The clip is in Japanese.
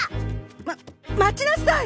まっ待ちなさい！